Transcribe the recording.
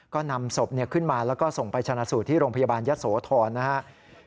ก็นำศพขึ้นมาแล้วก็ส่งไปชนะสูตรที่โรงพยาบาลยะโสธรนะครับ